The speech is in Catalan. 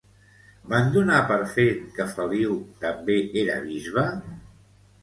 Van donar per fet que Feliu també era bisbe?